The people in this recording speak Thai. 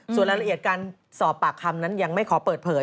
ส่วนรายละเอียดการสอบปากคำนั้นยังไม่ขอเปิดเผย